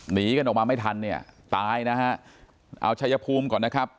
หนีกันออกมาไม่ทันเนี่ยตายนะฮะเอาชัยภูมิก่อนนะครับ